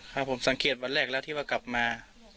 ครับผมสังเกตวันแรกแล้วที่ว่ากลับมา